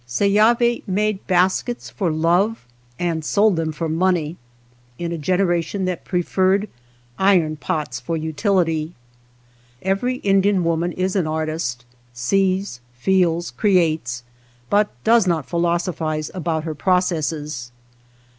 Seyavi made baskets for love and sold them for money, in a generation that pre ferred iron pots for utility. Every Indian woman is an artist, — sees, feels, creates, i68 THE BASKET MAKER but does not philosophize about her pro cesses.